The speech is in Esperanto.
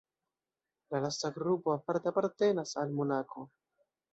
La lasta grupo parte apartenas al Monako.